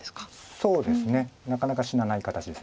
そうですねなかなか死なない形です